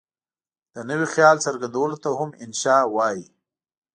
د نوي خیال څرګندولو ته هم انشأ وايي.